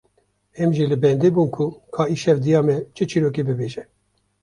Em jî li bendê bûn ku ka îşev diya me çi çîrokê bibêje